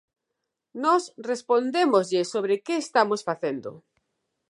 Nós respondémoslle sobre que estamos facendo.